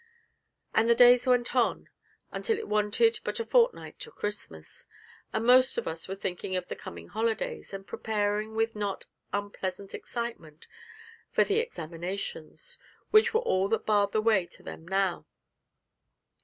And the days went on, until it wanted but a fortnight to Christmas, and most of us were thinking of the coming holidays, and preparing with a not unpleasant excitement for the examinations, which were all that barred the way to them now.